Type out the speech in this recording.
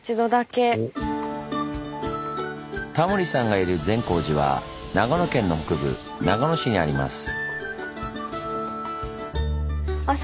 タモリさんがいる善光寺は長野県の北部長野市にあります。